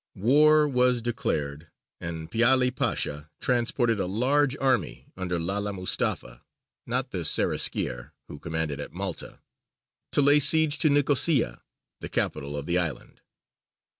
War was declared, and Piāli Pasha transported a large army under Lala Mustafa (not the Seraskier who commanded at Malta) to lay siege to Nicosia, the capital of the island.